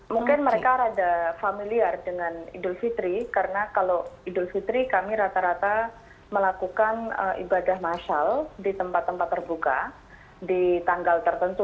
mungkin mereka rada familiar dengan idul fitri karena kalau idul fitri kami rata rata melakukan ibadah masyal di tempat tempat terbuka di tanggal tertentu